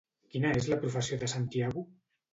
Quina és la professió de Santiago?